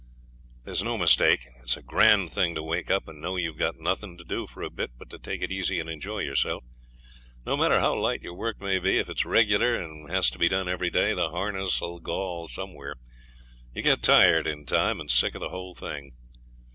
There's no mistake, it's a grand thing to wake up and know you've got nothing to do for a bit but to take it easy and enjoy yourself. No matter how light your work may be, if it's regular and has to be done every day, the harness 'll gall somewhere; you get tired in time and sick of the whole thing.